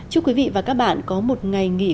chúc quý vị và các bạn có một ngày nghỉ